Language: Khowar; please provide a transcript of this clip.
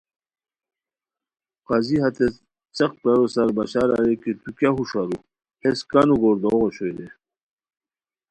قاضی ہتے څیق برارو سار بشار اریر کی تو کیہ ہوݰ ارو ہیس کانو گوردوغ اوشوئے رے؟